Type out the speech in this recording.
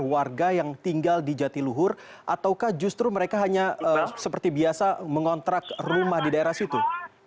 warga yang tinggal di jatiluhur ataukah justru mereka hanya seperti biasa mengontrak rumah di daerah situ